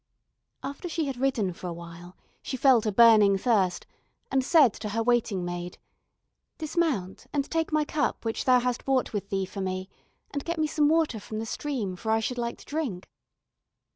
After she had ridden for a while she felt a burning thirst and said to her waiting maid: "Dismount, and take my cup which thou hast brought with thee for me, and get me some water from the stream, for I should like to drink."